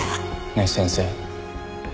ねえ先生